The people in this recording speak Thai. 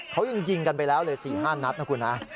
เขายังยิงกันไปแล้วเลย๔๕นัดนะคุณนะ